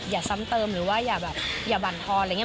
อย่าซ้ำเติมหรือว่าอย่าบั่นทอนอะไรอย่างนี้